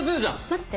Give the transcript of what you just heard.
待って！